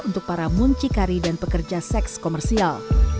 untuk para muncikari dan pekerja seks komersial